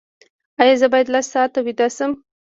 ایا زه باید لس ساعته ویده شم؟